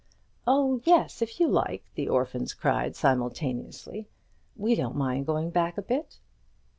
"Oh, yes, if you like," the orphans cried simultaneously; "we don't mind going back a bit."